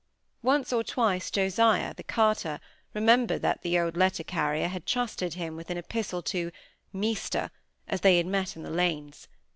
Once or twice Josiah, the carter, remembered that the old letter carrier had trusted him with an epistle to "Measter", as they had met in the lanes.